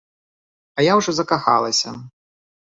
А я ўжо закахалася.